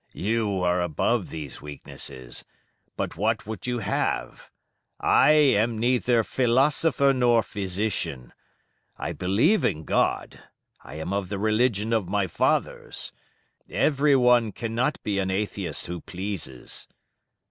"You are above these weaknesses; but what would you have? I am neither philosopher nor physician. I believe in God; I am of the religion of my fathers; every one cannot be an atheist who pleases."